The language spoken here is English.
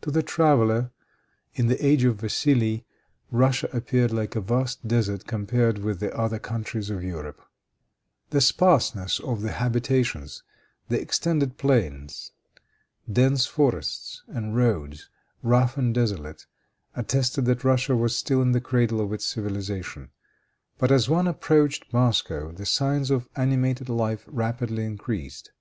To the traveler, in the age of Vassili, Russia appeared like a vast desert compared with the other countries of Europe. The sparseness of the habitations, the extended plains, dense forests and roads, rough and desolate, attested that Russia was still in the cradle of its civilization. But as one approached Moscow, the signs of animated life rapidly increased.